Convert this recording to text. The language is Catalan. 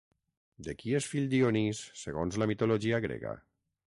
De qui és fill Dionís segons la mitologia grega?